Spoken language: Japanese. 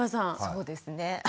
そうですね。